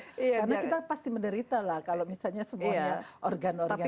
karena kita pasti menderita lah kalau misalnya semuanya organ organ gitu